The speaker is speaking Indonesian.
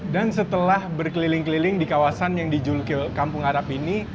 dan setelah berkeliling keliling di kawasan yang dijulkil kampung arab ini